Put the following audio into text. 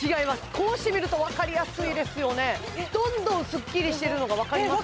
こうしてみるとわかりやすいですよねどんどんスッキリしてるのがわかりますか？